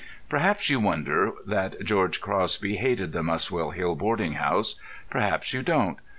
Perhaps you wonder that George Crosby hated the Muswell Hill boarding house; perhaps you don't.